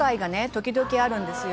時々あるんですよ」